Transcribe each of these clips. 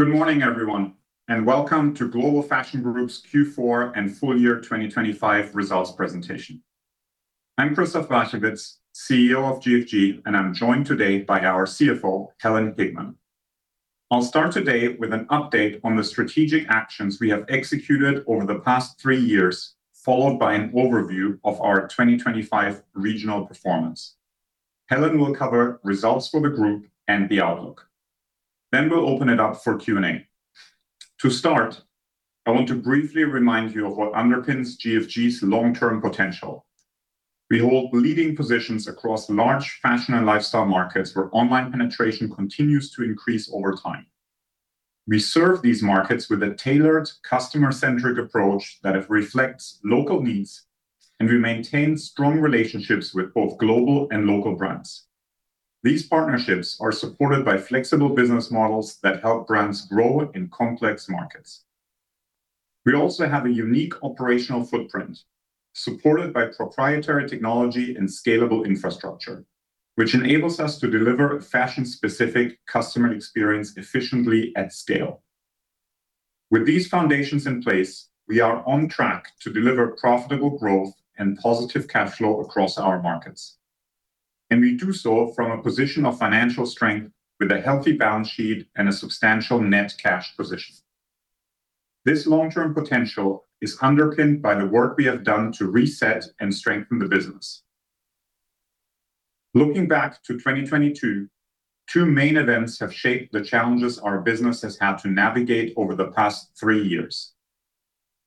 Good morning, everyone, welcome to Global Fashion Group's Q4 and full year 2025 results presentation. I'm Christoph Barchewitz, CEO of GFG, I'm joined today by our CFO, Helen Hickman. I'll start today with an update on the strategic actions we have executed over the past three years, followed by an overview of our 2025 Regional Performance. Helen will cover results for the group and the outlook. We'll open it up for Q&A. To start, I want to briefly remind you of what underpins GFG's long-term potential. We hold leading positions across large fashion and lifestyle markets where online penetration continues to increase over time. We serve these markets with a tailored customer-centric approach that reflects local needs, we maintain strong relationships with both global and local brands. These partnerships are supported by flexible business models that help brands grow in complex markets. We also have a unique operational footprint, supported by proprietary technology and scalable infrastructure, which enables us to deliver fashion-specific customer experience efficiently at scale. With these foundations in place, we are on track to deliver profitable growth and positive cash flow across our markets. We do so from a position of financial strength with a healthy balance sheet and a substantial net cash position. This long-term potential is underpinned by the work we have done to reset and strengthen the business. Looking back to 2022, two main events have shaped the challenges our business has had to navigate over the past three years.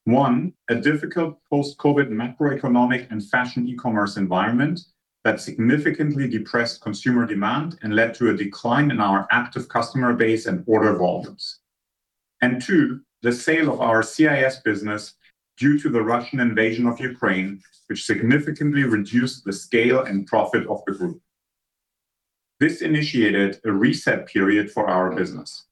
One, a difficult post-COVID macroeconomic and fashion e-commerce environment that significantly depressed consumer demand and led to a decline in our active customer base and order volumes. Two, the sale of our CIS business due to the Russian invasion of Ukraine, which significantly reduced the scale and profit of the group. This initiated a reset period for our business.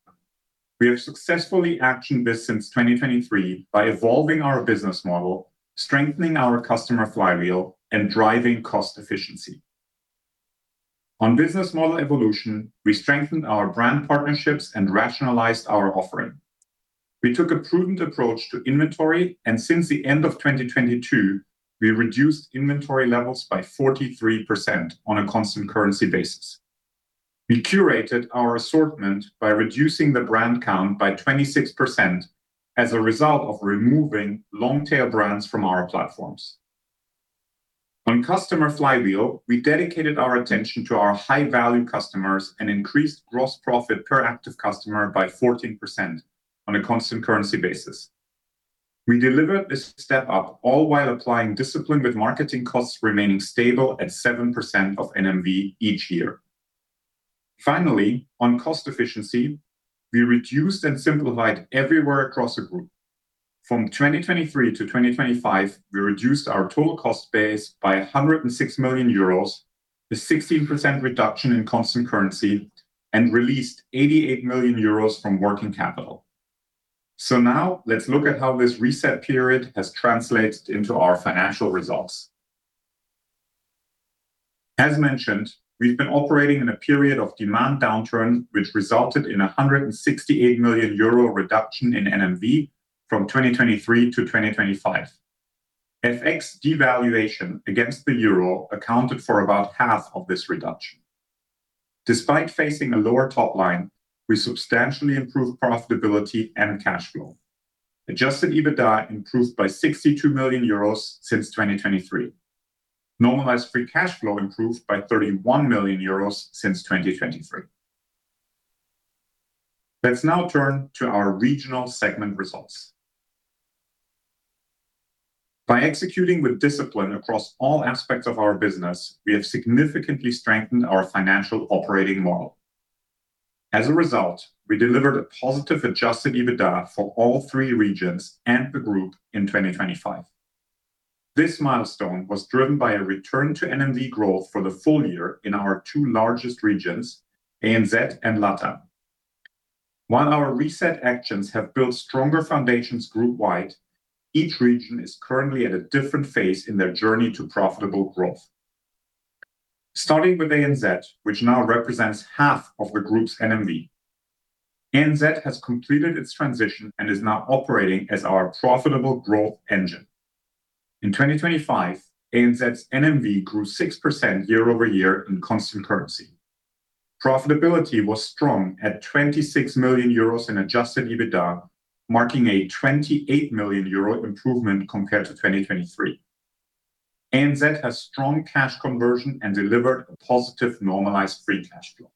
We have successfully actioned this since 2023 by evolving our business model, strengthening our customer flywheel, and driving cost efficiency. On business model evolution, we strengthened our brand partnerships and rationalized our offering. We took a prudent approach to inventory, and since the end of 2022, we reduced inventory levels by 43% on a constant currency basis. We curated our assortment by reducing the brand count by 26% as a result of removing long-tail brands from our platforms. On customer flywheel, we dedicated our attention to our high-value customers and increased gross profit per active customer by 14% on a constant currency basis. We delivered this step up all while applying discipline with marketing costs remaining stable at 7% of NMV each year. On cost efficiency, we reduced and simplified everywhere across the group. From 2023 to 2025, we reduced our total cost base by 106 million euros, a 16% reduction in constant currency, and released 88 million euros from working capital. Now let's look at how this reset period has translated into our financial results. As mentioned, we've been operating in a period of demand downturn, which resulted in a 168 million euro reduction in NMV from 2023 to 2025. FX devaluation against the euro accounted for about half of this reduction. Despite facing a lower top line, we substantially improved profitability and cash flow. Adjusted EBITDA improved by 62 million euros since 2023. Normalized Free Cash Flow improved by 31 million euros since 2023. Let's now turn to our regional segment results. By executing with discipline across all aspects of our business, we have significantly strengthened our financial operating model. As a result, we delivered a positive Adjusted EBITDA for all three regions and the group in 2025. This milestone was driven by a return to NMV growth for the full year in our two largest regions, ANZ and LATAM. While our reset actions have built stronger foundations group wide, each region is currently at a different phase in their journey to profitable growth. Starting with ANZ, which now represents half of the group's NMV. ANZ has completed its transition and is now operating as our profitable growth engine. In 2025, ANZ's NMV grew 6% year-over-year in constant currency. Profitability was strong at 26 million euros in Adjusted EBITDA, marking a 28 million euro improvement compared to 2023. ANZ has strong cash conversion and delivered a positive normalized free cash flow.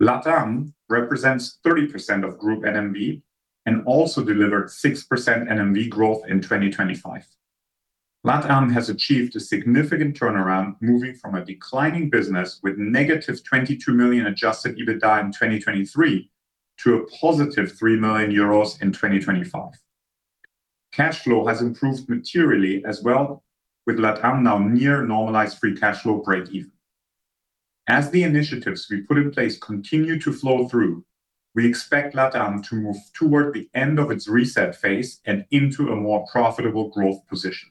LATAM represents 30% of group NMV and also delivered 6% NMV growth in 2025. LATAM has achieved a significant turnaround, moving from a declining business with negative 22 million Adjusted EBITDA in 2023 to a positive 3 million euros in 2025. Cash flow has improved materially as well with LATAM now near normalized free cash flow breakeven. As the initiatives we put in place continue to flow through, we expect LATAM to move toward the end of its reset phase and into a more profitable growth position.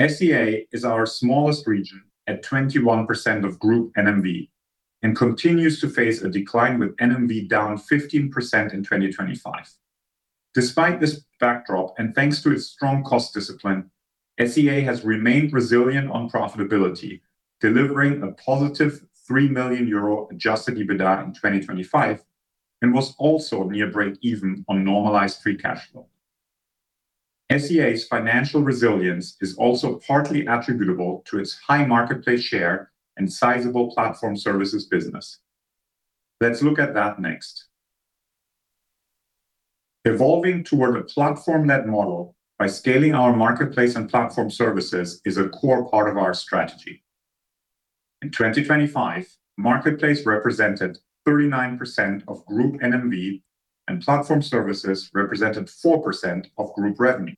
SEA is our smallest region at 21% of group NMV and continues to face a decline with NMV down 15% in 2025. Thanks to its strong cost discipline, SEA has remained resilient on profitability, delivering a positive 3 million euro Adjusted EBITDA in 2025, and was also near breakeven on Normalized Free Cash Flow. SEA's financial resilience is also partly attributable to its high marketplace share and sizable platform services business. Let's look at that next. Evolving toward a platform net model by scaling our marketplace and platform services is a core part of our strategy. In 2025, marketplace represented 39% of group NMV, and platform services represented 4% of group revenue.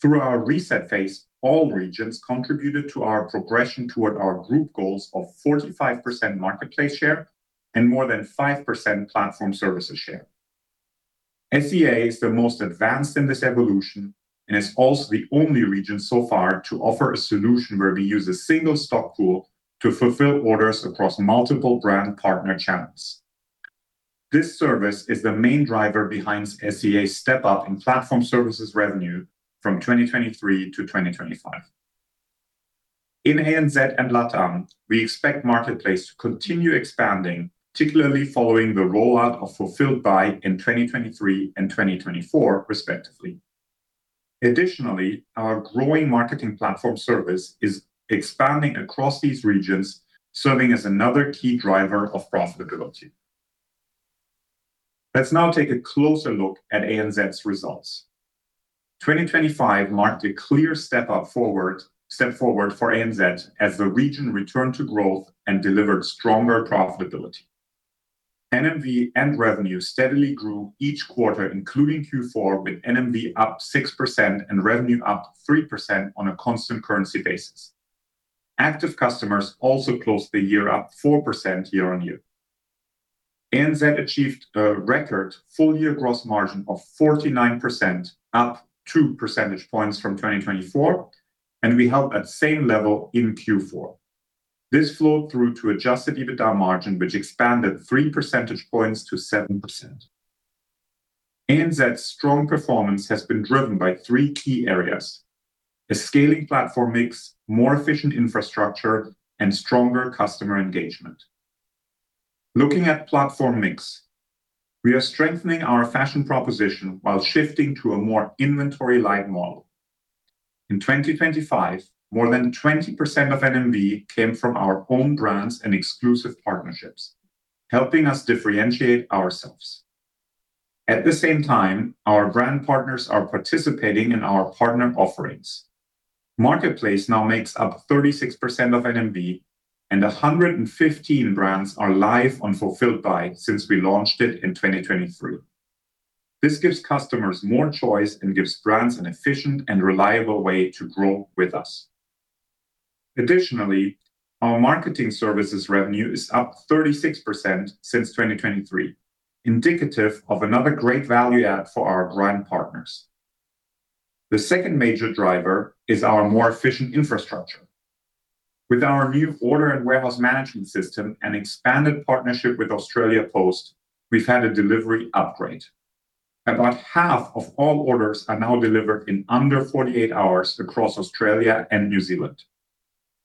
Through our reset phase, all regions contributed to our progression toward our group goals of 45% marketplace share and more than 5% platform services share. SEA is the most advanced in this evolution and is also the only region so far to offer a solution where we use a single stock pool to fulfill orders across multiple brand partner channels. This service is the main driver behind SEA step up in platform services revenue from 2023 to 2025. In ANZ and LATAM, we expect marketplace to continue expanding, particularly following the rollout of Fulfilled by in 2023 and 2024 respectively. Additionally, our growing marketing platform service is expanding across these regions, serving as another key driver of profitability. Let's now take a closer look at ANZ's results. 2025 marked a clear step forward for ANZ as the region returned to growth and delivered stronger profitability. NMV and revenue steadily grew each quarter, including Q4, with NMV up 6% and revenue up 3% on a constant currency basis. Active customers also closed the year up 4% year-on-year. ANZ achieved a record full-year gross margin of 49%, up 2 percentage points from 2024, we held at same level in Q4. This flowed through to Adjusted EBITDA margin, which expanded 3 percentage points to 7%. ANZ's strong performance has been driven by three key areas: a scaling platform mix, more efficient infrastructure, and stronger customer engagement. Looking at platform mix, we are strengthening our fashion proposition while shifting to a more inventory-light model. In 2025, more than 20% of NMV came from our own brands and exclusive partnerships, helping us differentiate ourselves. At the same time, our brand partners are participating in our partner offerings. Marketplace now makes up 36% of NMV, and 115 brands are live on Fulfilled by since we launched it in 2023. This gives customers more choice and gives brands an efficient and reliable way to grow with us. Additionally, our marketing services revenue is up 36% since 2023, indicative of another great value add for our brand partners. The second major driver is our more efficient infrastructure. With our new order and warehouse management system and expanded partnership with Australia Post, we've had a delivery upgrade. About half of all orders are now delivered in under 48 hours across Australia and New Zealand.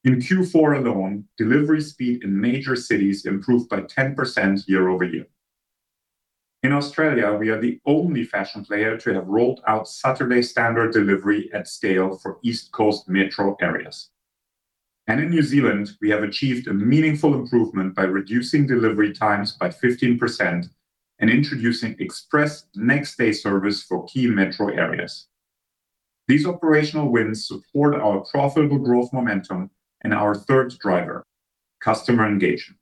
In Q4 alone, delivery speed in major cities improved by 10% year-over-year. In Australia, we are the only fashion player to have rolled out Saturday standard delivery at scale for East Coast metro areas. In New Zealand, we have achieved a meaningful improvement by reducing delivery times by 15% and introducing express next day service for key metro areas. These operational wins support our profitable growth momentum and our third driver, customer engagement.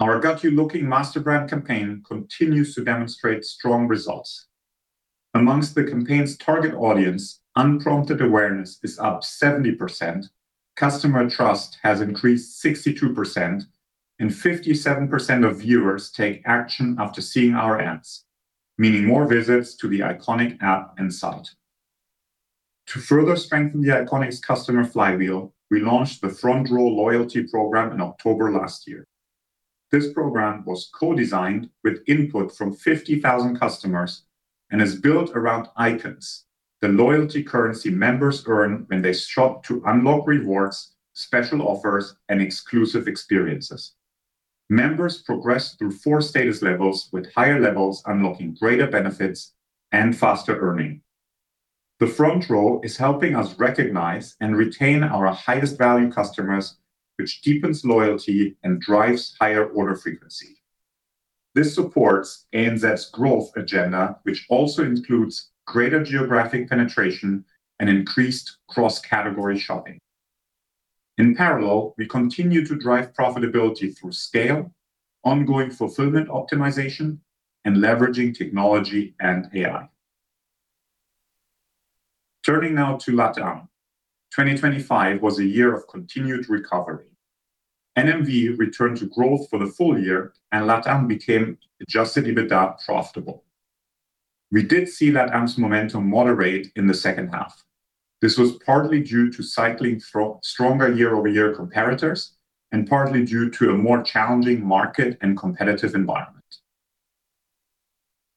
Our Got You Looking masterbrand campaign continues to demonstrate strong results. Among the campaign's target audience, unprompted awareness is up 70%, customer trust has increased 62%, and 57% of viewers take action after seeing our ads, meaning more visits to THE ICONIC app and site. To further strengthen THE ICONIC's customer flywheel, we launched THE Front Row loyalty program in October last year. This program was co-designed with input from 50,000 customers and is built around ICONS, the loyalty currency members earn when they shop to unlock rewards, special offers, and exclusive experiences. Members progress through four status levels with higher levels unlocking greater benefits and faster earning. The Front Row is helping us recognize and retain our highest value customers, which deepens loyalty and drives higher order frequency. This supports ANZ's growth agenda, which also includes greater geographic penetration and increased cross-category shopping. In parallel, we continue to drive profitability through scale, ongoing fulfillment optimization, and leveraging technology and AI. Turning now to LATAM. 2025 was a year of continued recovery. NMV returned to growth for the full year, and LATAM became Adjusted EBITDA profitable. We did see LATAM's momentum moderate in the second half. This was partly due to cycling stronger year-over-year comparators and partly due to a more challenging market and competitive environment.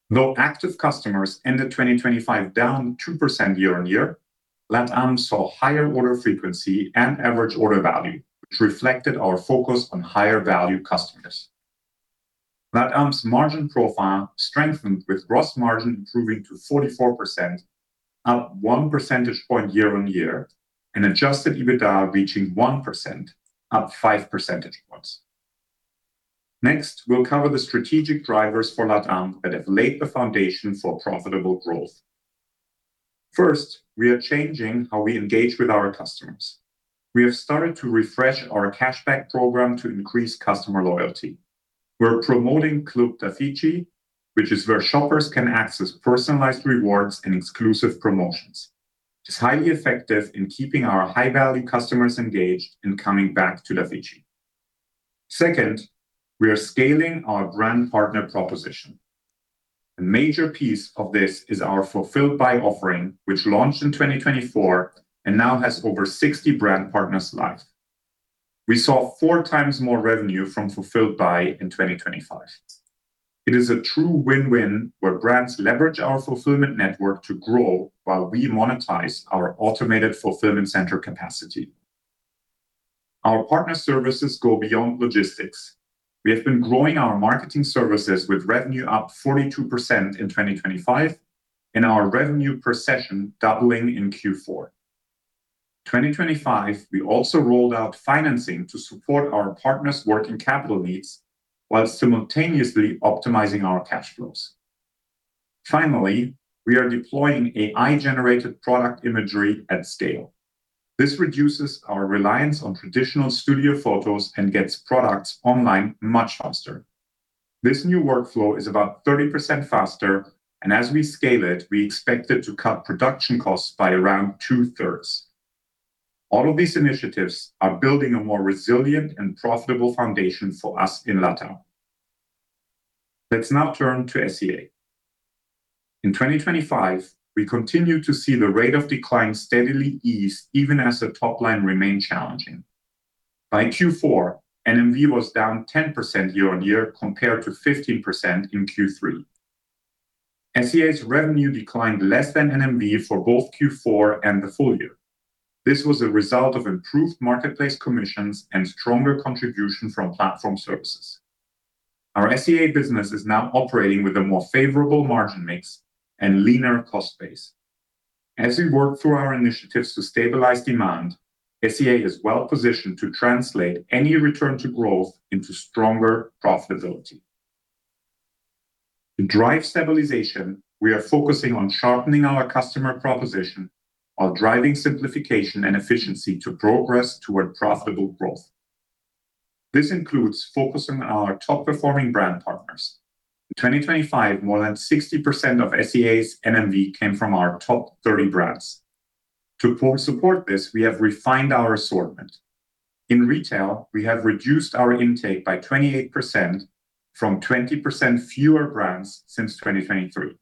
Though active customers ended 2025 down 2% year on year, LATAM saw higher order frequency and average order value, which reflected our focus on higher value customers. LATAM's margin profile strengthened with gross margin improving to 44%, up 1 percentage point year on year, and Adjusted EBITDA reaching 1%, up 5 percentage points. Next, we'll cover the strategic drivers for LATAM that have laid the foundation for profitable growth. First, we are changing how we engage with our customers. We have started to refresh our cashback program to increase customer loyalty. We're promoting Club Dafiti, which is where shoppers can access personalized rewards and exclusive promotions. It's highly effective in keeping our high-value customers engaged in coming back to Dafiti. Second, we are scaling our brand partner proposition. A major piece of this is our Fulfilled by offering, which launched in 2024 and now has over 60 brand partners live. We saw 4x more revenue from Fulfilled by in 2025. It is a true win-win where brands leverage our fulfillment network to grow while we monetize our automated fulfillment center capacity. Our partner services go beyond logistics. We have been growing our marketing services with revenue up 42% in 2025 and our revenue per session doubling in Q4. 2025, we also rolled out financing to support our partners' working capital needs while simultaneously optimizing our cash flows. Finally, we are deploying AI-generated product imagery at scale. This reduces our reliance on traditional studio photos and gets products online much faster. This new workflow is about 30% faster. As we scale it, we expect it to cut production costs by around 2/3. All of these initiatives are building a more resilient and profitable foundation for us in LATAM. Let's now turn to SEA. In 2025, we continued to see the rate of decline steadily ease even as the top line remained challenging. By Q4, NMV was down 10% year-on-year compared to 15% in Q3. SEA's revenue declined less than NMV for both Q4 and the full year. This was a result of improved marketplace commissions and stronger contribution from platform services. Our SEA business is now operating with a more favorable margin mix and leaner cost base. As we work through our initiatives to stabilize demand, SEA is well positioned to translate any return to growth into stronger profitability. To drive stabilization, we are focusing on sharpening our customer proposition while driving simplification and efficiency to progress toward profitable growth. This includes focusing on our top-performing brand partners. In 2025, more than 60% of SEA's NMV came from our top 30 brands. To support this, we have refined our assortment. In retail, we have reduced our intake by 28% from 20% fewer brands since 2023.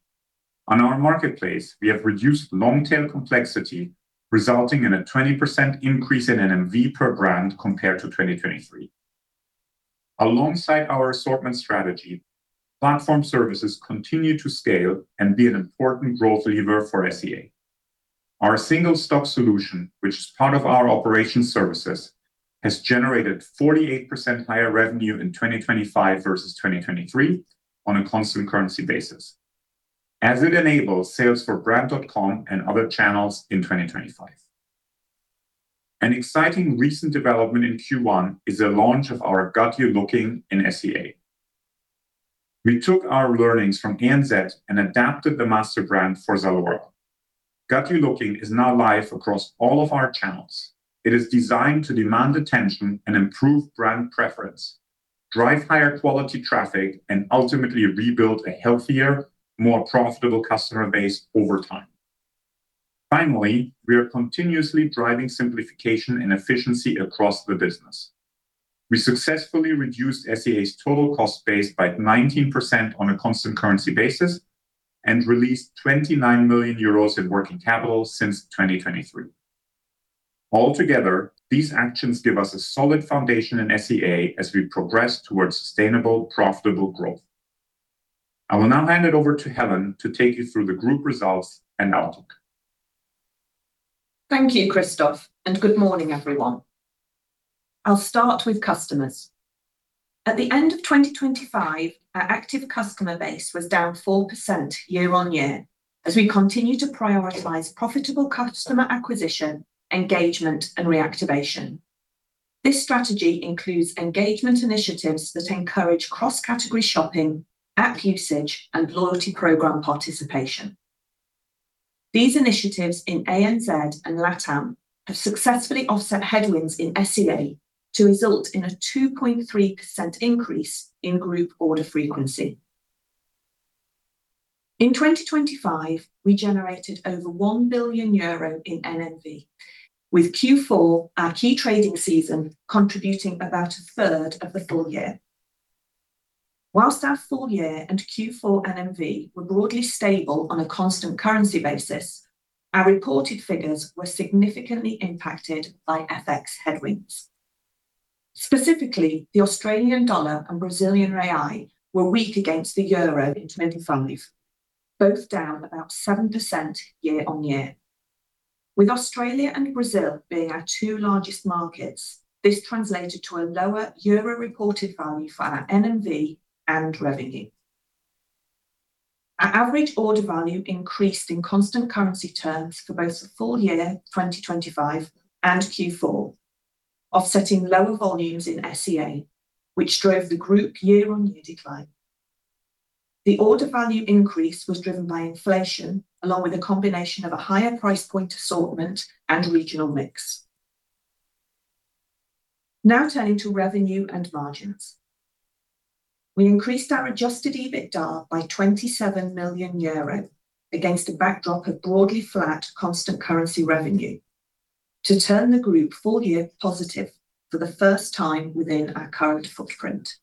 On our marketplace, we have reduced long-term complexity, resulting in a 20% increase in NMV per brand compared to 2023. Alongside our assortment strategy, platform services continue to scale and be an important growth lever for SEA. Our single-stock solution, which is part of our operations services, has generated 48% higher revenue in 2025 versus 2023 on a constant currency basis, as it enables sales for brand.com and other channels in 2025. An exciting recent development in Q1 is the launch of our Got You Looking in SEA. We took our learnings from ANZ and adapted the master brand for ZALORA. Got You Looking is now live across all of our channels. It is designed to demand attention and improve brand preference, drive higher quality traffic, and ultimately rebuild a healthier, more profitable customer base over time. We are continuously driving simplification and efficiency across the business. We successfully reduced SEA's total cost base by 19% on a constant currency basis and released 29 million euros in working capital since 2023. Altogether, these actions give us a solid foundation in SEA as we progress towards sustainable, profitable growth. I will now hand it over to Helen to take you through the group results and outlook. Thank you, Christoph, and good morning, everyone. I'll start with customers. At the end of 2025, our active customer base was down 4% year-on-year as we continue to prioritize profitable customer acquisition, engagement, and reactivation. This strategy includes engagement initiatives that encourage cross-category shopping, app usage, and loyalty program participation. These initiatives in ANZ and LATAM have successfully offset headwinds in SEA to result in a 2.3% increase in group order frequency. In 2025, we generated over 1 billion euro in NMV, with Q4, our key trading season, contributing about a third of the full year. Whilst our full year and Q4 NMV were broadly stable on a constant currency basis, our reported figures were significantly impacted by FX headwinds. Specifically, the Australian dollar and Brazilian real were weak against the euro in 2025, both down about 7% year-on-year. With Australia and Brazil being our two largest markets, this translated to a lower EUR reported value for our NMV and revenue. Our average order value increased in constant currency terms for both full year 2025 and Q4, offsetting lower volumes in SEA, which drove the group year-over-year decline. The order value increase was driven by inflation, along with a combination of a higher price point assortment and regional mix. Turning to revenue and margins. We increased our Adjusted EBITDA by 27 million euro against a backdrop of broadly flat constant currency revenue to turn the group full year positive for the first time within our current footprint.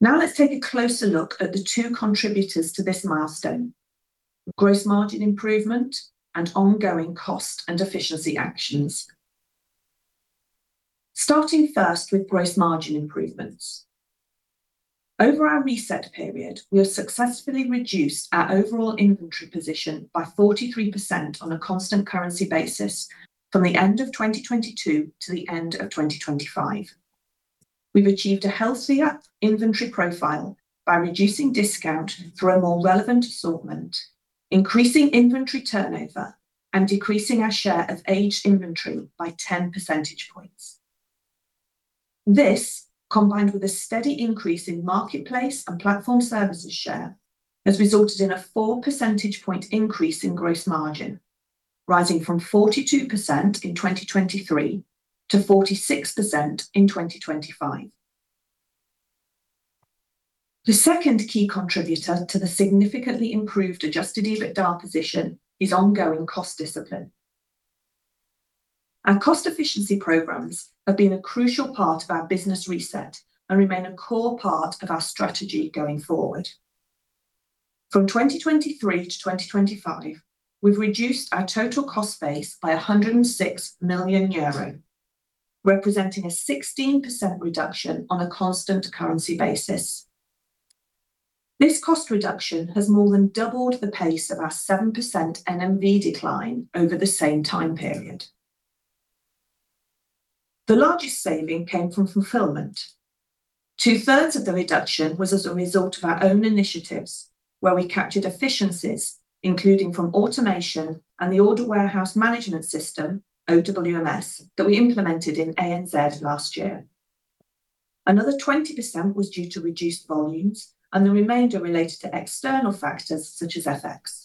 Let's take a closer look at the two contributors to this milestone: gross margin improvement and ongoing cost and efficiency actions. Starting first with gross margin improvements. Over our reset period, we have successfully reduced our overall inventory position by 43% on a constant currency basis from the end of 2022 to the end of 2025. We've achieved a healthier inventory profile by reducing discount through a more relevant assortment, increasing inventory turnover, and decreasing our share of aged inventory by 10 percentage points. This, combined with a steady increase in marketplace and platform services share, has resulted in a 4 percentage point increase in gross margin, rising from 42% in 2023 to 46% in 2025. The second key contributor to the significantly improved Adjusted EBITDA position is ongoing cost discipline. Our cost efficiency programs have been a crucial part of our business reset and remain a core part of our strategy going forward. From 2023 to 2025, we've reduced our total cost base by 106 million euro, representing a 16% reduction on a constant currency basis. This cost reduction has more than doubled the pace of our 7% NMV decline over the same time period. The largest saving came from fulfillment. 2/3 of the reduction was as a result of our own initiatives, where we captured efficiencies, including from automation and the order warehouse management system, OWMS, that we implemented in ANZ last year. Another 20% was due to reduced volumes, and the remainder related to external factors such as FX.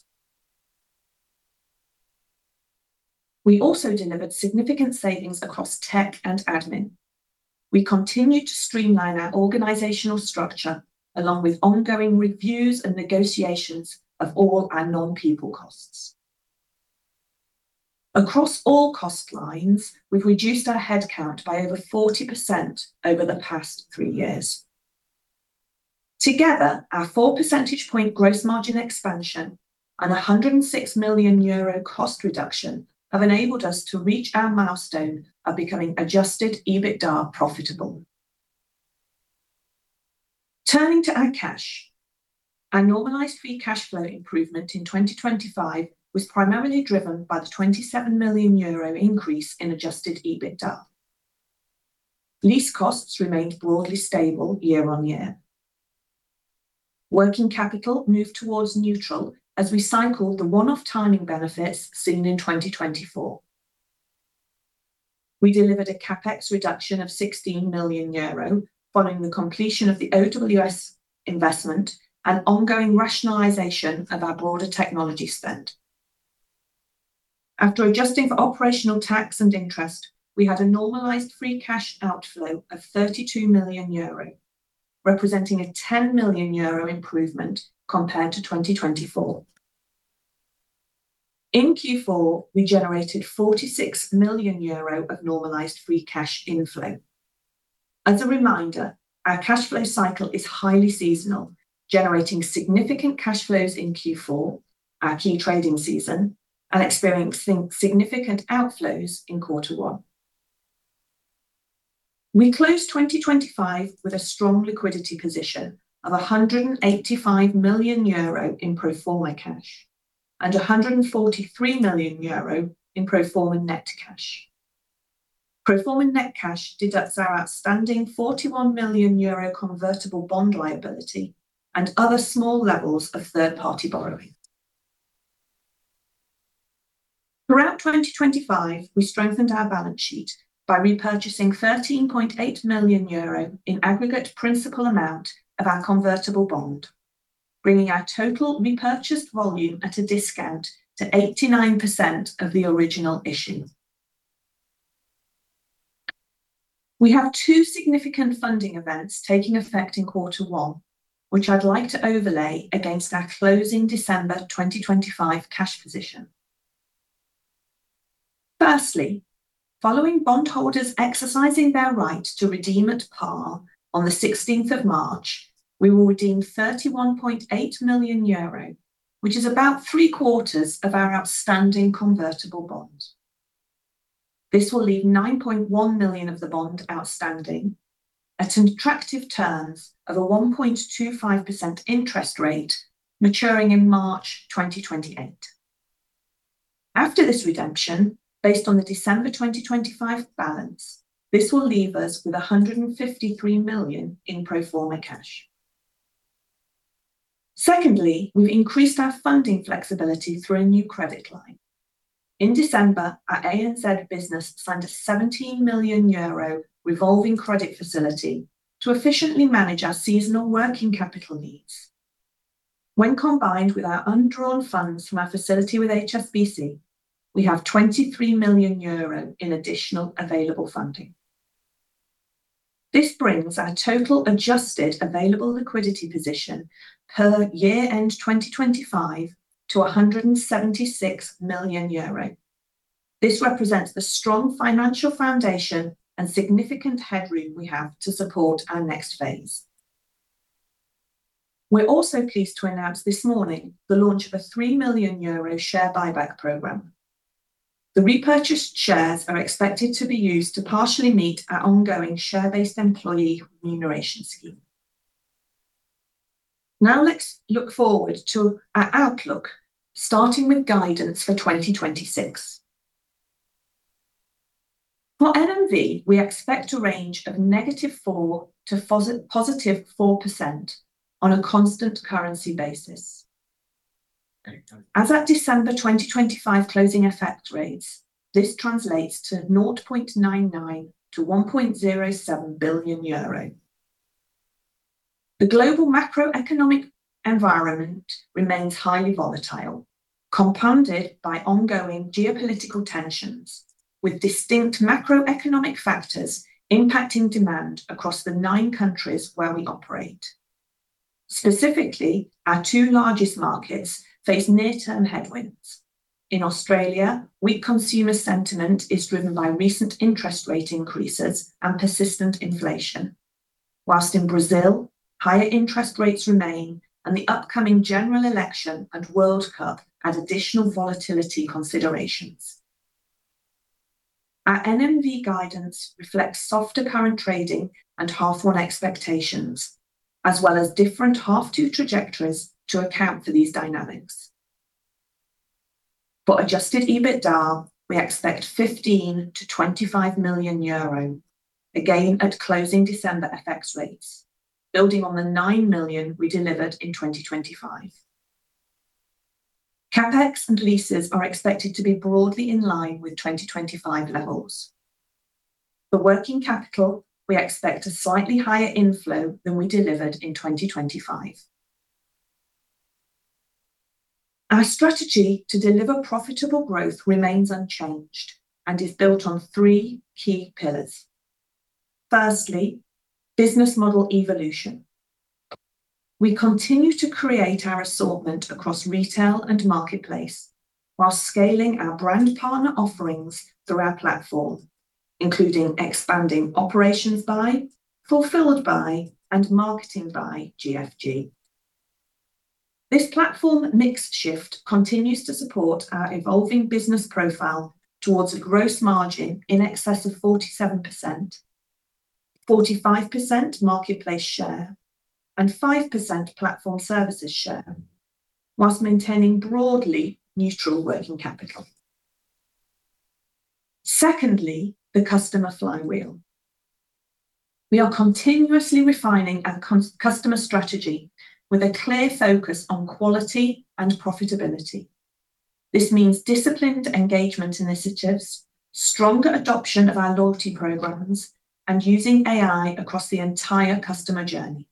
We also delivered significant savings across tech and admin. We continued to streamline our organizational structure along with ongoing reviews and negotiations of all our non-people costs. Across all cost lines, we've reduced our headcount by over 40% over the past three years. Together, our four percentage point gross margin expansion and a 106 million euro cost reduction have enabled us to reach our milestone of becoming Adjusted EBITDA profitable. Turning to our cash. Our Normalized Free Cash Flow improvement in 2025 was primarily driven by the 27 million euro increase in Adjusted EBITDA. Lease costs remained broadly stable year-on-year. Working capital moved towards neutral as we cycled the one-off timing benefits seen in 2024. We delivered a CapEx reduction of 16 million euro following the completion of the OWS investment and ongoing rationalization of our broader technology spend. After adjusting for operational tax and interest, we had a Normalized Free Cash Flow outflow of 32 million euro, representing a 10 million euro improvement compared to 2024. In Q4, we generated 46 million euro of Normalized Free Cash Flow inflow. As a reminder, our cash flow cycle is highly seasonal, generating significant cash flows in Q4, our key trading season, and experiencing significant outflows in quarter one. We closed 2025 with a strong liquidity position of 185 million euro in pro forma cash and 143 million euro in pro forma net cash. Pro forma net cash deducts our outstanding 41 million euro convertible bond liability and other small levels of third-party borrowing. Throughout 2025, we strengthened our balance sheet by repurchasing 13.8 million euro in aggregate principal amount of our convertible bond, bringing our total repurchased volume at a discount to 89% of the original issue. We have two significant funding events taking effect in quarter one, which I'd like to overlay against our closing December 2025 cash position. Following bondholders exercising their right to redeem at par on the 16th of March, we will redeem 31.8 million euro, which is about three-quarters of our outstanding convertible bond. This will leave 9.1 million of the bond outstanding at an attractive terms of a 1.25% interest rate maturing in March 2028. After this redemption, based on the December 2025 balance, this will leave us with 153 million in pro forma cash. We've increased our funding flexibility through a new credit line. In December, our ANZ business signed a 17 million euro revolving credit facility to efficiently manage our seasonal working capital needs. When combined with our undrawn funds from our facility with HSBC, we have 23 million euro in additional available funding. This brings our total Adjusted available liquidity position per year-end 2025 to 176 million euro. This represents the strong financial foundation and significant headroom we have to support our next phase. We're also pleased to announce this morning the launch of a 3 million euro share buyback program. The repurchased shares are expected to be used to partially meet our ongoing share-based employee remuneration scheme. Let's look forward to our outlook, starting with guidance for 2026. For NMV, we expect a range of -4% to +4% on a constant currency basis. As at December 2025 closing effect rates, this translates to 0.99 billion-1.07 billion euro. The global macroeconomic environment remains highly volatile, compounded by ongoing geopolitical tensions, with distinct macroeconomic factors impacting demand across the nine countries where we operate. Specifically, our two largest markets face near-term headwinds. In Australia, weak consumer sentiment is driven by recent interest rate increases and persistent inflation. In Brazil, higher interest rates remain and the upcoming general election and World Cup add additional volatility considerations. Our NMV guidance reflects softer current trading and half one expectations, as well as different half two trajectories to account for these dynamics. For Adjusted EBITDA, we expect 15 million-25 million euro, again at closing December FX rates, building on the 9 million we delivered in 2025. CapEx and leases are expected to be broadly in line with 2025 levels. For working capital, we expect a slightly higher inflow than we delivered in 2025. Our strategy to deliver profitable growth remains unchanged and is built on three key pillars. Firstly, business model evolution. We continue to create our assortment across retail and marketplace while scaling our brand partner offerings through our platform, including expanding Operations by, Fulfilled by, and Marketing by GFG. This platform mix shift continues to support our evolving business profile towards a gross margin in excess of 47%, 45% marketplace share, and 5% platform services share, while maintaining broadly neutral working capital. The customer flywheel. We are continuously refining our customer strategy with a clear focus on quality and profitability. This means disciplined engagement initiatives, stronger adoption of our loyalty programs, and using AI across the entire customer journey.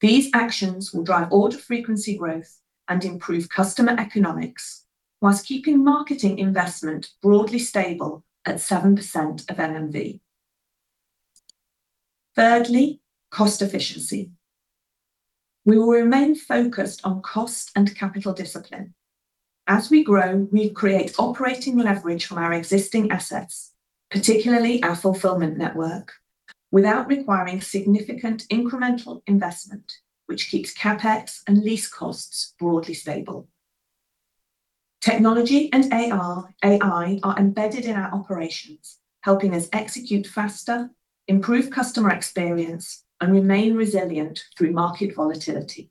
These actions will drive order frequency growth and improve customer economics while keeping marketing investment broadly stable at 7% of NMV. Cost efficiency. We will remain focused on cost and capital discipline. As we grow, we create operating leverage from our existing assets, particularly our fulfillment network, without requiring significant incremental investment, which keeps CapEx and lease costs broadly stable. Technology and AR, AI are embedded in our operations, helping us execute faster, improve customer experience, and remain resilient through market volatility.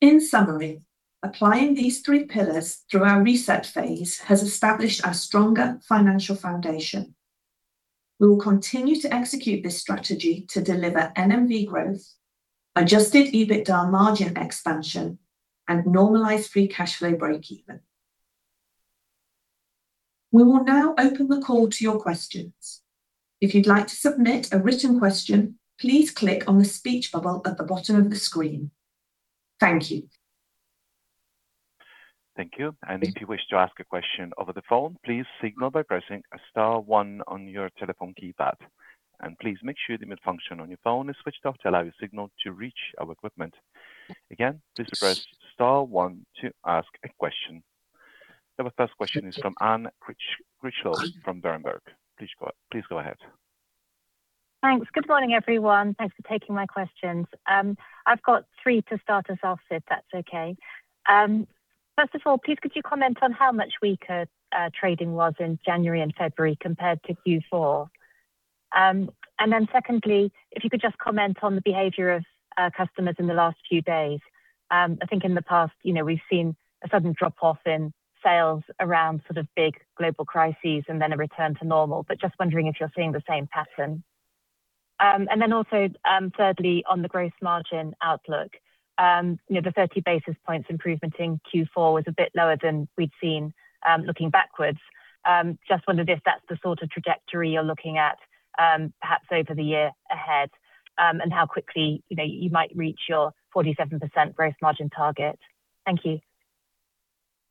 In summary, applying these three pillars through our reset phase has established a stronger financial foundation. We will continue to execute this strategy to deliver NMV growth, Adjusted EBITDA margin expansion, and normalized free cash flow breakeven. We will now open the call to your questions. If you'd like to submit a written question, please click on the speech bubble at the bottom of the screen. Thank you. Thank you. If you wish to ask a question over the phone, please signal by pressing star one on your telephone keypad. Please make sure the mute function on your phone is switched off to allow your signal to reach our equipment. Again, please press star one to ask a question. The first question is from Anne Critchlow from Bernstein. Please go ahead. Thanks. Good morning, everyone. Thanks for taking my questions. I've got three to start us off, if that's okay. First of all, please could you comment on how much weaker trading was in January and February compared to Q4? Secondly, if you could just comment on the behavior of customers in the last few days. I think in the past, you know, we've seen a sudden drop-off in sales around sort of big global crises and then a return to normal. Just wondering if you're seeing the same pattern. Also, thirdly, on the gross margin outlook, you know, the 30 basis points improvement in Q4 was a bit lower than we'd seen, looking backwards. Just wonder if that's the sort of trajectory you're looking at, perhaps over the year ahead, how quickly, you know, you might reach your 47% gross margin target? Thank you.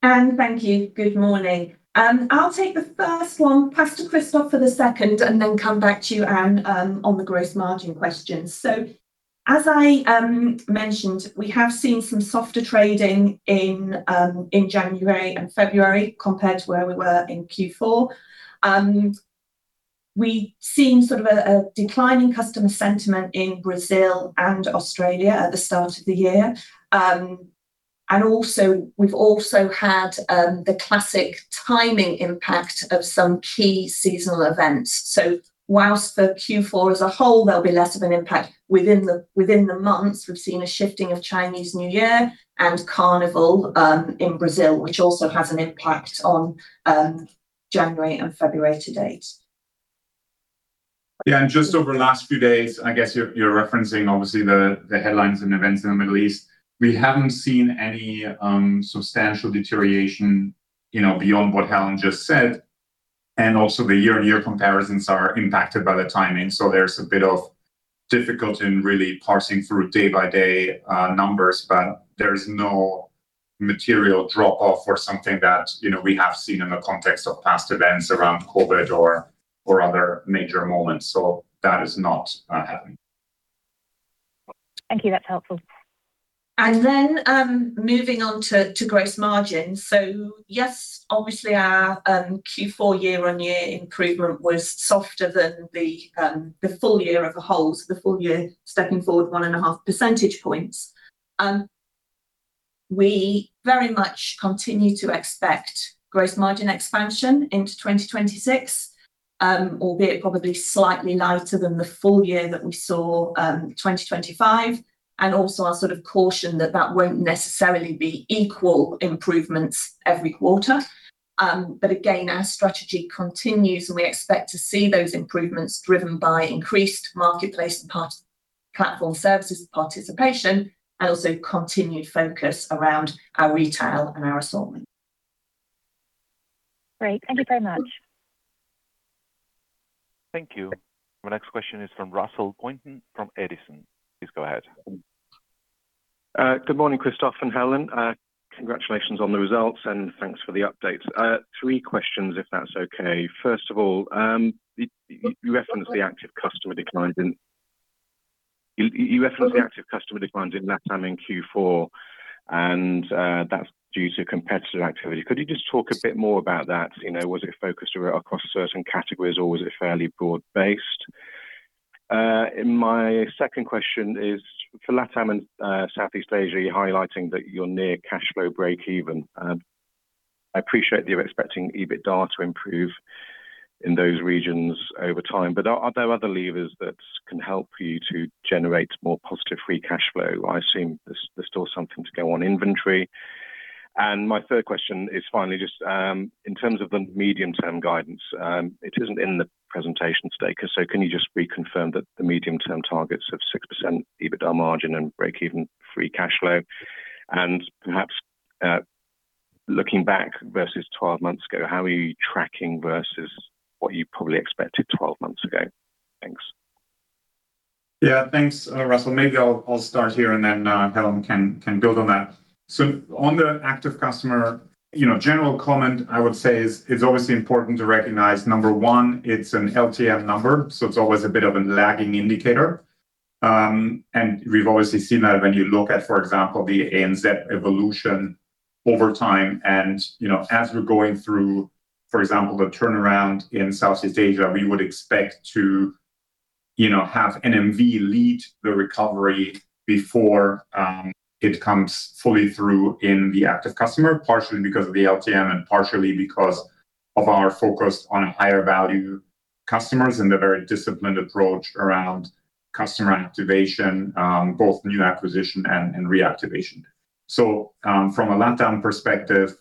Anne, thank you. Good morning. I'll take the first one, pass to Christoph for the second, and then come back to you, Anne, on the gross margin question. As I mentioned, we have seen some softer trading in January and February compared to where we were in Q4. We've seen sort of a declining customer sentiment in Brazil and Australia at the start of the year. Also we've also had the classic timing impact of some key seasonal events. Whilst for Q4 as a whole, there'll be less of an impact within the, within the months, we've seen a shifting of Chinese New Year and Carnival in Brazil, which also has an impact on January and February to date. Yeah. Just over the last few days, I guess you're referencing obviously the headlines and events in the Middle East. We haven't seen any substantial deterioration, you know, beyond what Helen just said. Also the year-on-year comparisons are impacted by the timing, so there's a bit of difficulty in really parsing through day-by-day numbers. There is no material drop-off or something that, you know, we have seen in the context of past events around COVID or other major moments. That is not happening. Thank you. That's helpful. Moving on to gross margin. Yes, obviously our Q4 year-on-year improvement was softer than the full year as a whole, so the full year stepping forward 1.5 percentage points. We very much continue to expect gross margin expansion into 2026, albeit probably slightly lighter than the full year that we saw, 2025. Also I'll sort of caution that that won't necessarily be equal improvements every quarter. Again, our strategy continues, and we expect to see those improvements driven by increased marketplace and platform services participation and also continued focus around our retail and our assortment. Great. Thank you very much. Thank you. Our next question is from Russell Pointon from Edison. Please go ahead. Good morning, Christoph and Helen. Congratulations on the results, and thanks for the updates. Three questions, if that's okay. First of all, you referenced the active customer declines in you referenced the active customer declines in LATAM in Q4, and that's due to competitor activity. Could you just talk a bit more about that? You know, was it focused across certain categories, or was it fairly broad-based? My second question is for LATAM and Southeast Asia, you're highlighting that you're near cash flow breakeven. I appreciate that you're expecting EBITDA to improve in those regions over time, but are there other levers that can help you to generate more positive free cash flow? I assume there's still something to go on inventory. My third question is finally just in terms of the medium-term guidance, it isn't in the presentation today. Can you just reconfirm the medium-term targets of 6% EBITDA margin and breakeven free cash flow? Perhaps looking back versus 12 months ago, how are you tracking versus what you probably expected 12 months ago? Thanks. Yeah. Thanks, Russell. Maybe I'll start here, and then Helen can build on that. On the active customer, you know, general comment I would say is it's obviously important to recognize, number one, it's an LTM number, so it's always a bit of a lagging indicator. We've obviously seen that when you look at, for example, the ANZ evolution over time. You know, as we're going through, for example, the turnaround in Southeast Asia, we would expect to, you know, have NMV lead the recovery before it comes fully through in the active customer, partially because of the LTM and partially because of our focus on higher value customers and the very disciplined approach around customer activation, both new acquisition and reactivation. From a LATAM perspective,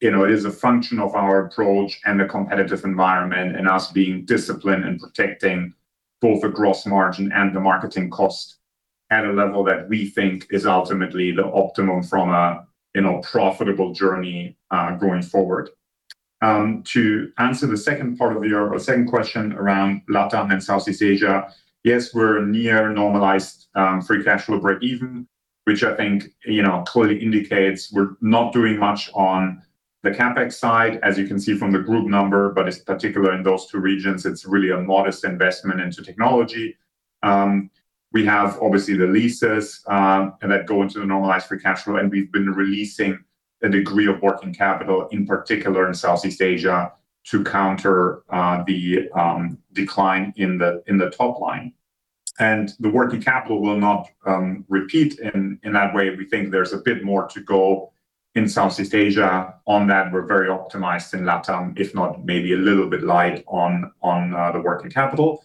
you know, it is a function of our approach and the competitive environment and us being disciplined and protecting both the gross margin and the marketing cost at a level that we think is ultimately the optimum from a, you know, profitable journey going forward. To answer the second question around LATAM and Southeast Asia, yes, we're near normalized free cash flow breakeven, which I think, you know, clearly indicates we're not doing much on the CapEx side, as you can see from the group number. It's particular in those two regions. It's really a modest investment into technology. We have obviously the leases, and that go into the Normalized Free Cash Flow, and we've been releasing a degree of working capital, in particular in Southeast Asia, to counter the decline in the top line. The working capital will not repeat in that way. We think there's a bit more to go in Southeast Asia on that. We're very optimized in LATAM, if not maybe a little bit light on the working capital.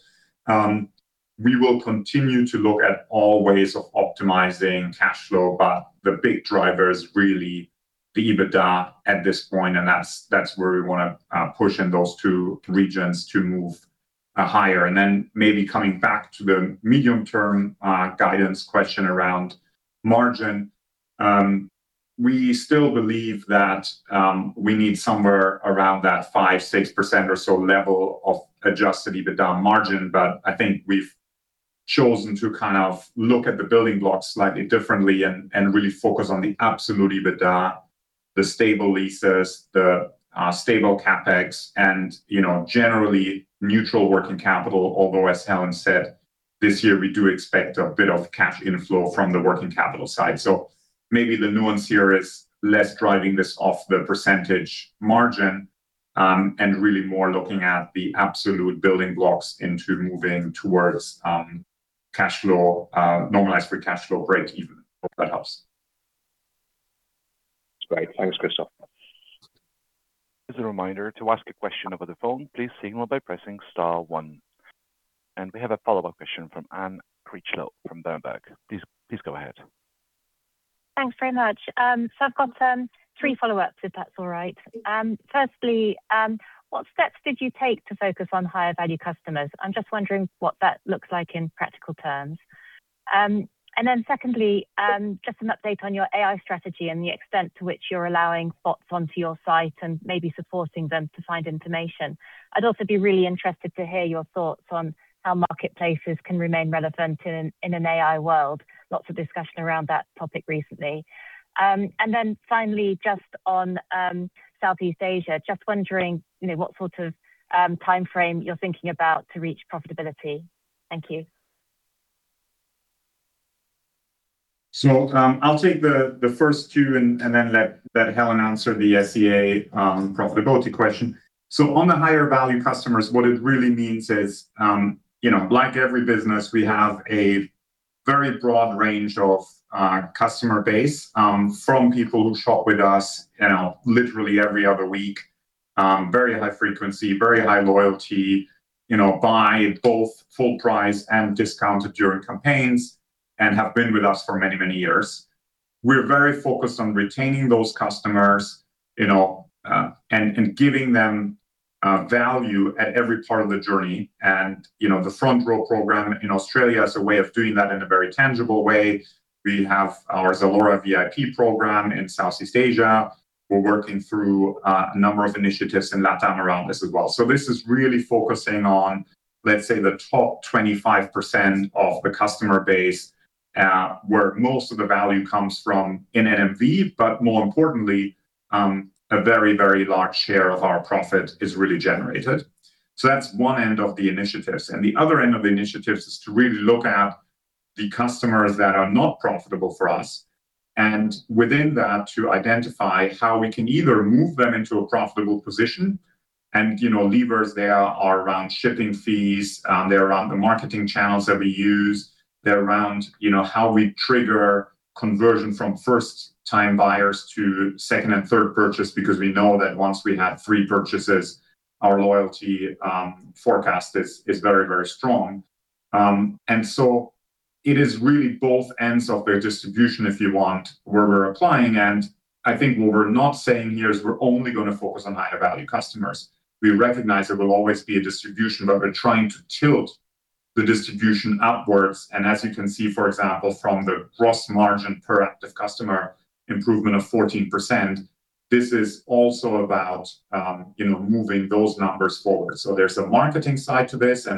We will continue to look at all ways of optimizing cash flow, but the big driver is really the EBITDA at this point, and that's where we wanna push in those two regions to move higher. Maybe coming back to the medium-term guidance question around margin, we still believe that we need somewhere around that 5%, 6% or so level of Adjusted EBITDA margin. I think we've chosen to kind of look at the building blocks slightly differently and really focus on the absolute EBITDA, the stable leases, the stable CapEx and, you know, generally neutral working capital, although, as Helen said, this year we do expect a bit of cash inflow from the working capital side. Maybe the nuance here is less driving this off the percentage margin and really more looking at the absolute building blocks into moving towards cash flow, Normalized Free Cash Flow breakeven. Hope that helps. That's great. Thanks, Christoph. As a reminder, to ask a question over the phone, please signal by pressing star one. We have a follow-up question from Anne Critchlow from Berenberg. Please go ahead. Thanks very much. I've got three follow-ups, if that's all right. Firstly, what steps did you take to focus on higher value customers? I'm just wondering what that looks like in practical terms. Secondly, just an update on your AI strategy and the extent to which you're allowing bots onto your site and maybe supporting them to find information. I'd also be really interested to hear your thoughts on how marketplaces can remain relevant in an AI world. Lots of discussion around that topic recently. Finally, just on Southeast Asia, just wondering, you know, what sort of timeframe you're thinking about to reach profitability. Thank you. I'll take the first two and then let Helen answer the SEA profitability question. On the higher value customers, what it really means is, you know, like every business, we have a very broad range of customer base, from people who shop with us, you know, literally every other week, very high frequency, very high loyalty, you know, buy both full price and discounted during campaigns and have been with us for many, many years. We're very focused on retaining those customers, you know, and giving them value at every part of the journey. You know, the Front Row program in Australia is a way of doing that in a very tangible way. We have our ZALORA VIP program in Southeast Asia. We're working through a number of initiatives in LATAM around this as well. This is really focusing on, let's say, the top 25% of the customer base, where most of the value comes from in NMV, but more importantly, a very, very large share of our profit is really generated. That's one end of the initiatives. The other end of the initiatives is to really look at the customers that are not profitable for us and within that, to identify how we can either move them into a profitable position and, you know, levers there are around shipping fees, they're around the marketing channels that we use. They're around, you know, how we trigger conversion from first time buyers to second and third purchase because we know that once we have three purchases, our loyalty forecast is very, very strong. It is really both ends of the distribution, if you want, where we're applying. I think what we're not saying here is we're only gonna focus on higher value customers. We recognize there will always be a distribution, but we're trying to tilt the distribution upwards. As you can see, for example, from the gross margin per active customer improvement of 14%, this is also about, you know, moving those numbers forward. There's a marketing side to this and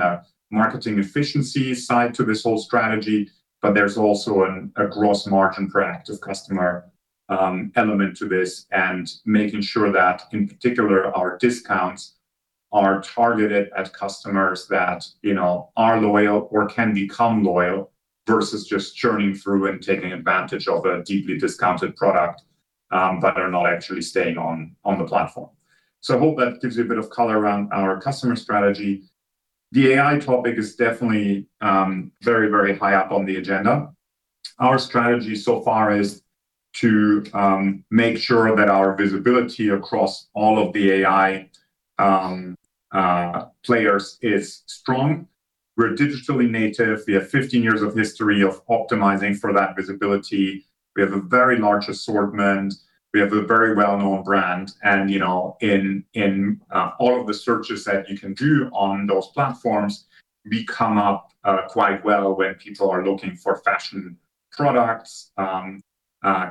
a marketing efficiency side to this whole strategy. There's also a gross margin per active customer element to this and making sure that, in particular, our discounts are targeted at customers that, you know, are loyal or can become loyal versus just churning through and taking advantage of a deeply discounted product, but are not actually staying on the platform. I hope that gives you a bit of color around our customer strategy. The AI topic is definitely very, very high up on the agenda. Our strategy so far is to make sure that our visibility across all of the AI players is strong. We're digitally native. We have 15 years of history of optimizing for that visibility. We have a very large assortment. We have a very well-known brand and, you know, in all of the searches that you can do on those platforms, we come up quite well when people are looking for fashion products,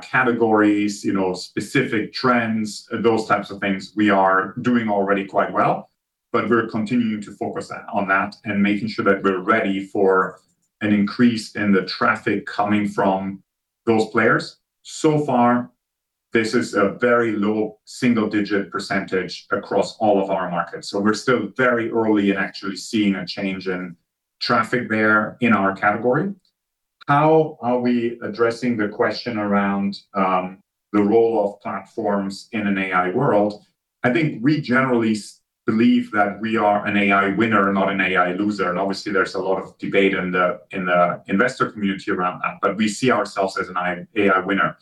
categories, you know, specific trends, those types of things we are doing already quite well, but we're continuing to focus on that and making sure that we're ready for an increase in the traffic coming from those players. This is a very low single digit % across all of our markets. We're still very early in actually seeing a change in traffic there in our category. How are we addressing the question around the role of platforms in an AI world? I think we generally believe that we are an AI winner and not an AI loser. Obviously there's a lot of debate in the investor community around that, but we see ourselves as an AI winner.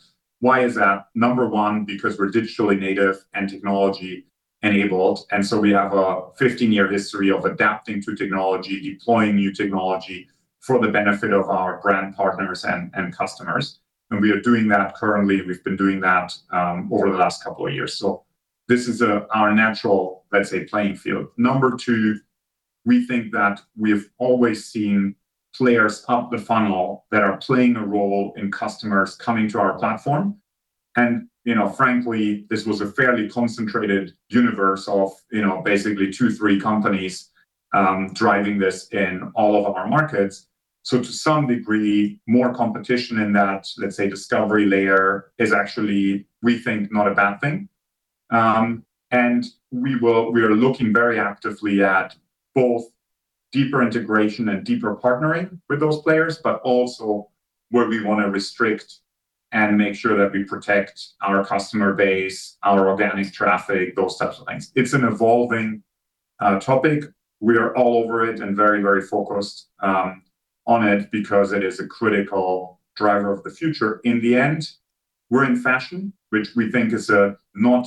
Why is that? Number one, because we're digitally native and technology enabled, so we have a 15-year history of adapting to technology, deploying new technology for the benefit of our brand partners and customers. We are doing that currently, we've been doing that over the last couple of years. This is our natural, let's say, playing field. Number two, we think that we've always seen players up the funnel that are playing a role in customers coming to our platform. You know, frankly, this was a fairly concentrated universe of, you know, basically two, three companies driving this in all of our markets. To some degree, more competition in that, let's say, discovery layer is actually, we think, not a bad thing. We are looking very actively at both deeper integration and deeper partnering with those players, but also where we want to restrict and make sure that we protect our customer base, our organic traffic, those types of things. It's an evolving topic. We are all over it and very, very focused on it because it is a critical driver of the future. In the end, we're in fashion, which we think is a not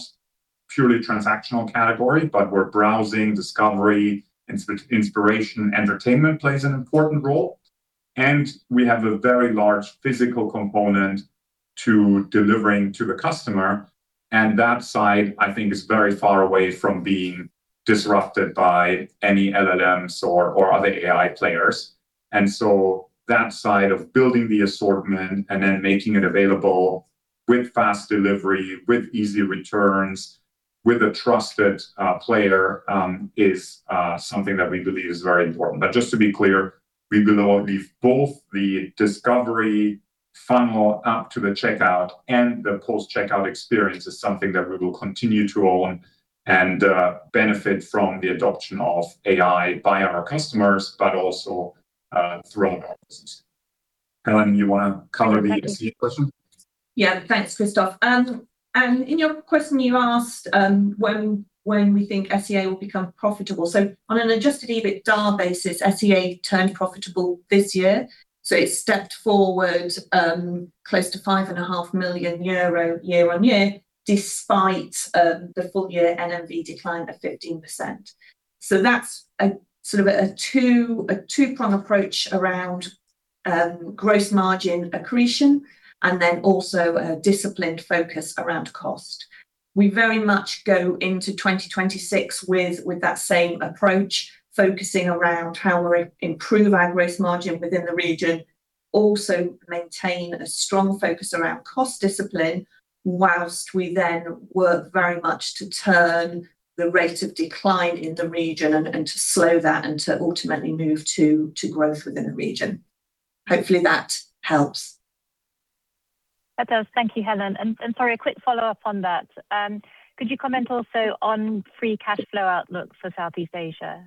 purely transactional category, but we're browsing, discovery, inspiration, entertainment plays an important role, and we have a very large physical component to delivering to the customer, and that side, I think is very far away from being disrupted by any LLMs or other AI players. That side of building the assortment and then making it available with fast delivery, with easy returns, with a trusted player is something that we believe is very important. Just to be clear, we believe both the discovery funnel up to the checkout and the post-checkout experience is something that we will continue to own and benefit from the adoption of AI by our customers, but also through our partners. Helen, you wanna cover the SEA question? Thanks, Christoph. In your question, you asked when we think SEA will become profitable. On an Adjusted EBITDA basis, SEA turned profitable this year. It stepped forward close to 5.5 million euro year-on-year despite the full year NMV decline of 15%. That's a sort of a two, a two-prong approach around gross margin accretion and then also a disciplined focus around cost. We very much go into 2026 with that same approach, focusing around how we improve our gross margin within the region, also maintain a strong focus around cost discipline whilst we then work very much to turn the rate of decline in the region and to slow that and to ultimately move to growth within the region. Hopefully that helps. That does. Thank you, Helen. Sorry, a quick follow-up on that. Could you comment also on free cash flow outlook for Southeast Asia?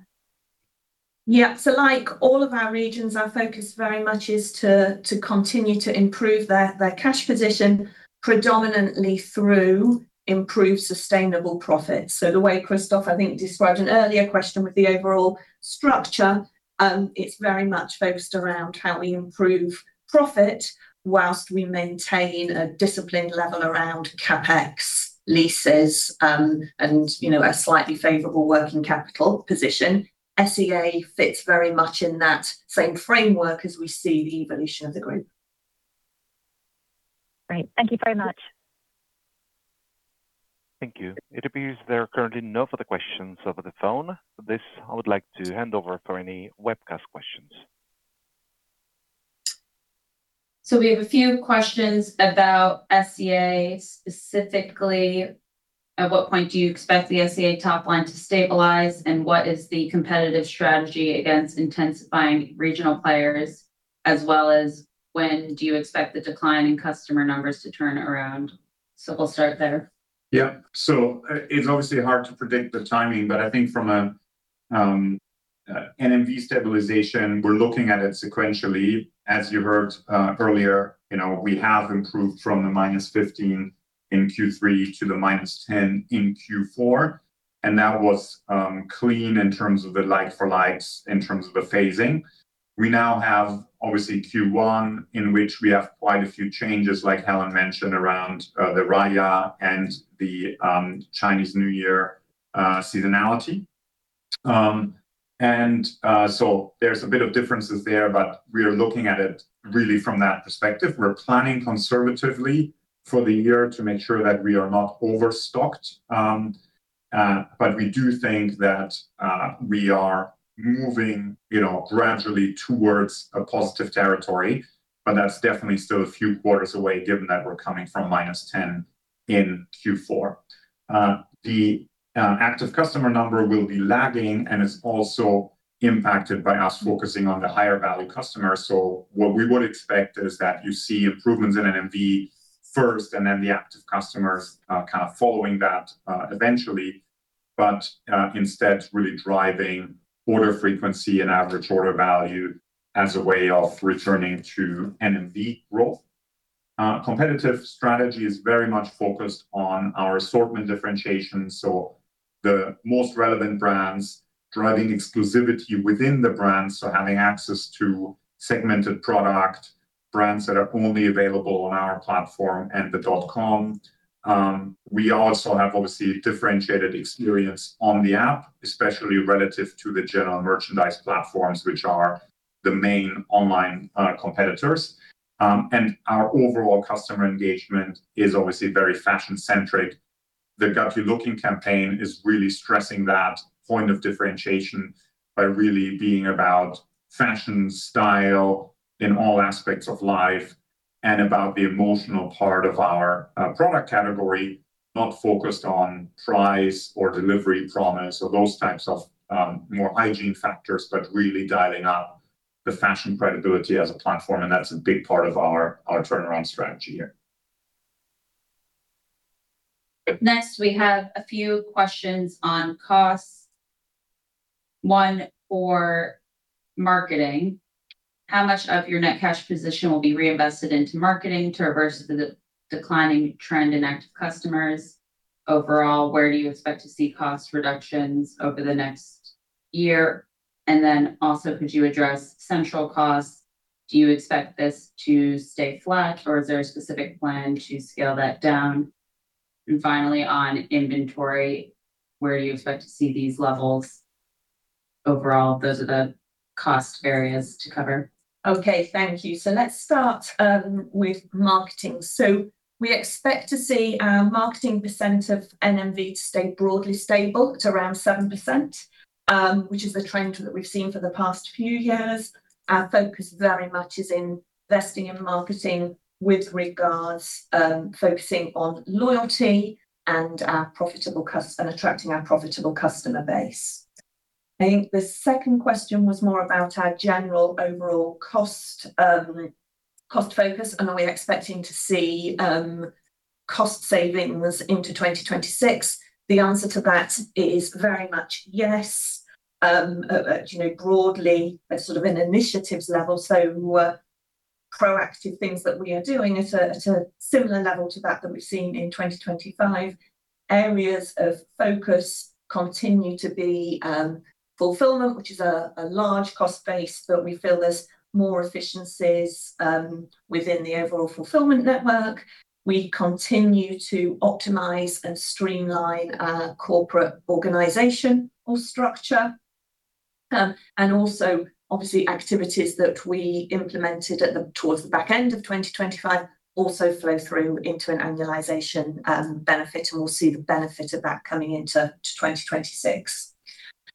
Like all of our regions, our focus very much is to continue to improve their cash position, predominantly through improved sustainable profits. The way Christoph, I think, described an earlier question with the overall structure, it's very much focused around how we improve profit whilst we maintain a disciplined level around CapEx, leases, and, you know, a slightly favorable working capital position. SEA fits very much in that same framework as we see the evolution of the group. Great. Thank you very much. Thank you. It appears there are currently no further questions over the phone. With this, I would like to hand over for any webcast questions. We have a few questions about SEA. Specifically, at what point do you expect the SEA top line to stabilize? What is the competitive strategy against intensifying regional players? As well as when do you expect the decline in customer numbers to turn around? We'll start there. It's obviously hard to predict the timing, but I think from a NMV stabilization, we're looking at it sequentially. As you heard earlier, you know, we have improved from the -15% in Q3 to the -10% in Q4, and that was clean in terms of the like for likes, in terms of the phasing. We now have obviously Q1, in which we have quite a few changes, like Helen mentioned, around the Raya and the Chinese New Year seasonality. There's a bit of differences there, but we are looking at it really from that perspective. We're planning conservatively for the year to make sure that we are not overstocked. We do think that, we are moving, you know, gradually towards a positive territory, but that's definitely still a few quarters away given that we're coming from -10 in Q4. The active customer number will be lagging, and it's also impacted by us focusing on the higher value customer. What we would expect is that you see improvements in NMV first and then the active customers, kind of following that, eventually. Instead really driving order frequency and average order value as a way of returning to NMV growth. Competitive strategy is very much focused on our assortment differentiation, so the most relevant brands driving exclusivity within the brand, so having access to segmented product brands that are only available on our platform and the dot com. We also have obviously differentiated experience on the app, especially relative to the general merchandise platforms, which are the main online competitors. Our overall customer engagement is obviously very fashion centric. The Got You Looking campaign is really stressing that point of differentiation by really being about fashion, style in all aspects of life and about the emotional part of our product category, not focused on price or delivery promise or those types of more hygiene factors, but really dialing up the fashion credibility as a platform, and that's a big part of our turnaround strategy here. Next, we have a few questions on costs. One for marketing. How much of your net cash position will be reinvested into marketing to reverse the declining trend in active customers? Overall, where do you expect to see cost reductions over the next year? Also, could you address central costs? Do you expect this to stay flat, or is there a specific plan to scale that down? Finally, on inventory, where do you expect to see these levels overall? Those are the cost areas to cover. Okay, thank you. Let's start with marketing. We expect to see our marketing % of NMV stay broadly stable at around 7%, which is the trend that we've seen for the past few years. Our focus very much is in investing in marketing with regards, focusing on loyalty and our profitable and attracting our profitable customer base. I think the second question was more about our general overall cost focus and are we expecting to see cost savings into 2026. The answer to that is very much yes. You know, broadly at sort of an initiatives level, so more proactive things that we are doing at a similar level to that that we've seen in 2025. Areas of focus continue to be fulfillment, which is a large cost base, but we feel there's more efficiencies within the overall fulfillment network. We continue to optimize and streamline our corporate organization or structure. Also obviously activities that we implemented towards the back end of 2025 also flow through into an annualization benefit, and we'll see the benefit of that coming into 2026. I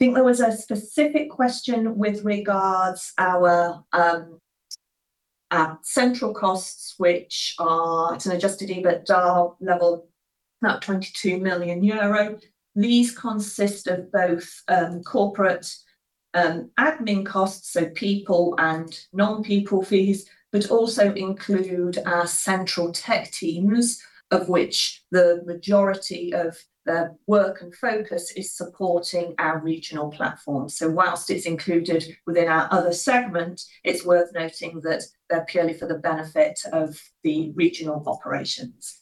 think there was a specific question with regards our central costs, which are, it's an Adjusted EBITDA level, about 22 million euro. These consist of both corporate admin costs, so people and non-people fees, but also include our central tech teams, of which the majority of the work and focus is supporting our regional platforms. Whilst it's included within our other segment, it's worth noting that they're purely for the benefit of the regional operations.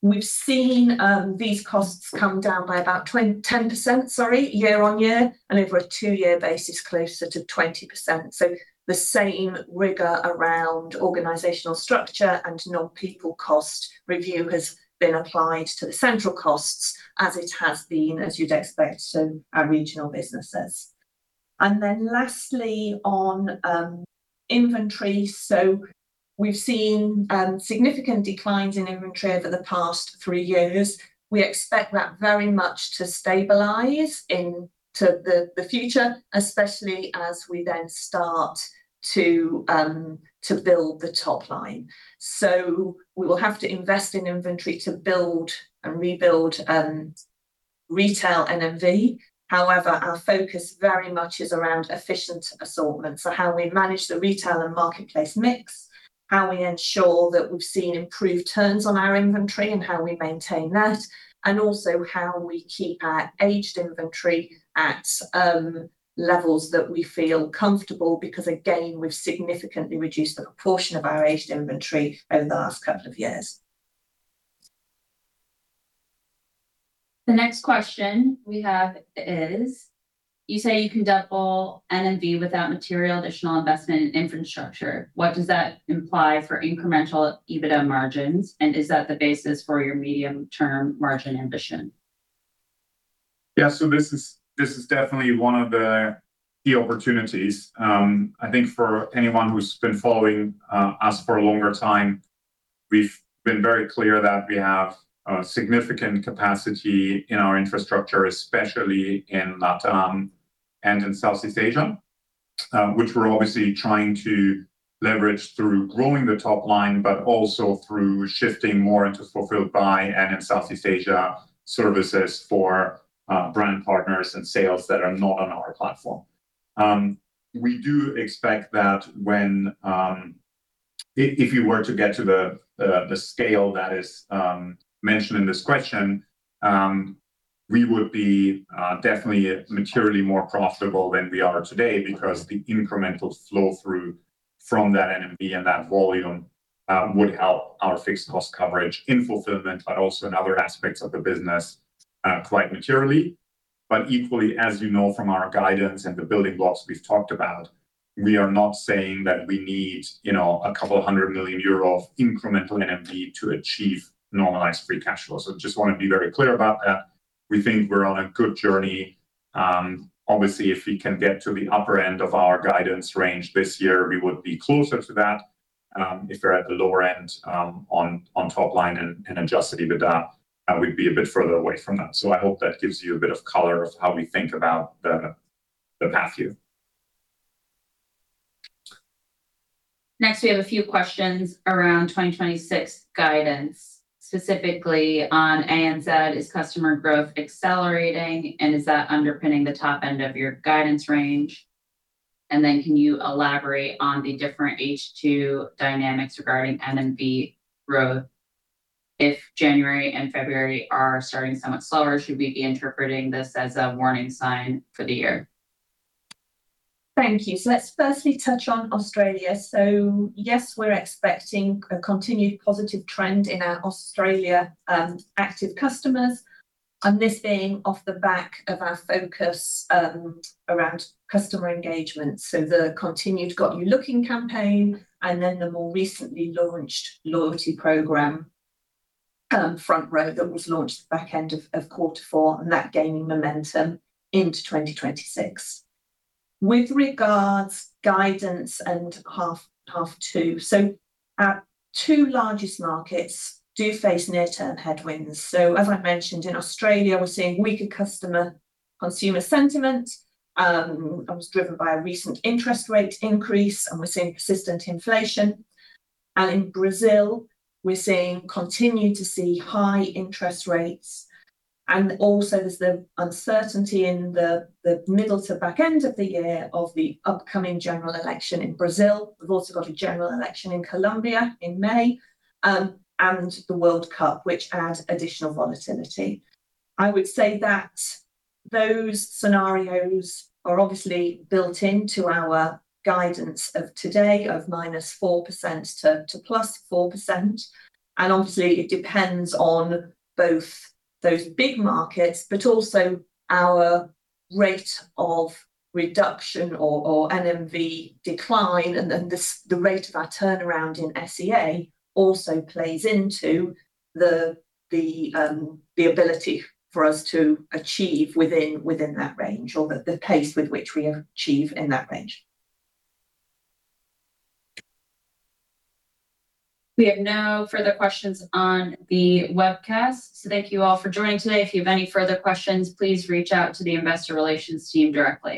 We've seen these costs come down by about 10%, sorry, year-over-year, and over a two-year basis, closer to 20%. The same rigor around organizational structure and non-people cost review has been applied to the central costs as it has been, as you'd expect, to our regional businesses. Lastly, on inventory. We've seen significant declines in inventory over the past three years. We expect that very much to stabilize into the future, especially as we then start to build the top line. We will have to invest in inventory to build and rebuild retail NMV. However, our focus very much is around efficient assortment. How we manage the retail and marketplace mix, how we ensure that we've seen improved turns on our inventory, and how we maintain that, and also how we keep our aged inventory at levels that we feel comfortable because again, we've significantly reduced the proportion of our aged inventory over the last couple of years. The next question we have is, you say you can double NMV without material additional investment in infrastructure. What does that imply for incremental EBITDA margins, and is that the basis for your medium-term margin ambition? This is definitely one of the opportunities. I think for anyone who's been following us for a longer time, we've been very clear that we have significant capacity in our infrastructure, especially in LATAM and in Southeast Asia, which we're obviously trying to leverage through growing the top line, but also through shifting more into Fulfilled by and in Southeast Asia, services for brand partners and sales that are not on our platform. We do expect that when you were to get to the scale that is mentioned in this question, we would be definitely materially more profitable than we are today because the incremental flow through from that NMV and that volume would help our fixed cost coverage in fulfillment, but also in other aspects of the business quite materially. Equally, as you know from our guidance and the building blocks we've talked about, we are not saying that we need, you know, a couple hundred million EUR of incremental NMV to achieve Normalized Free Cash Flow. Just wanna be very clear about that. We think we're on a good journey. Obviously, if we can get to the upper end of our guidance range this year, we would be closer to that. If we're at the lower end, on top line and Adjusted EBITDA, we'd be a bit further away from that. I hope that gives you a bit of color of how we think about the path here. Next, we have a few questions around 2026 guidance, specifically on ANZ, is customer growth accelerating, and is that underpinning the top end of your guidance range? Can you elaborate on the different H2 dynamics regarding NMV growth? If January and February are starting somewhat slower, should we be interpreting this as a warning sign for the year? Thank you. Let's firstly touch on Australia. Yes, we're expecting a continued positive trend in our Australia, active customers, and this being off the back of our focus around customer engagement. The continued Got You Looking campaign and then the more recently launched loyalty program, Front Row, that was launched at the back end of Q4, and that gaining momentum into 2026. With regards guidance and H2. Our two largest markets do face near-term headwinds. As I mentioned, in Australia, we're seeing weaker customer consumer sentiment that was driven by a recent interest rate increase, and we're seeing persistent inflation. In Brazil, we're seeing, continuing to see high interest rates. Also there's the uncertainty in the middle to back end of the year of the upcoming general election in Brazil. We've also got a general election in Colombia in May, and the World Cup, which adds additional volatility. I would say that those scenarios are obviously built into our guidance of today of -4% to +4%. It depends on both those big markets, but also our rate of reduction or NMV decline. The rate of our turnaround in SEA also plays into the ability for us to achieve within that range or the pace with which we achieve in that range. We have no further questions on the webcast, so thank you all for joining today. If you have any further questions, please reach out to the investor relations team directly.